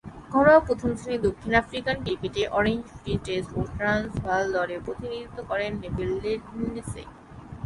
ঘরোয়া প্রথম-শ্রেণীর দক্ষিণ আফ্রিকান ক্রিকেটে অরেঞ্জ ফ্রি স্টেট ও ট্রান্সভাল দলের প্রতিনিধিত্ব করেন নেভিল লিন্ডসে।